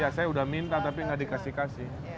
ya saya udah minta tapi nggak dikasih kasih